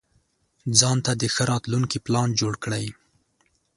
ځانته د ښه راتلونکي پلان جوړ کړئ.